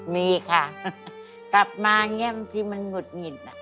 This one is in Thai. มีค่ะเดิมมาเงี้ยมันจิมมืดหงิดนะ